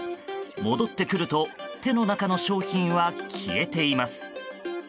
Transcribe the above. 戻ってくると手の中の商品は消えています。